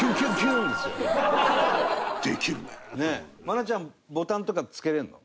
愛菜ちゃんボタンとか付けられるの？